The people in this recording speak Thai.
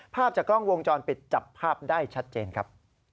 ภาพจากกล้องวงจรปิดจับภาพได้ชัดเจนครับ